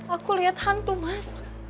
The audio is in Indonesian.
aku lihat hantu mas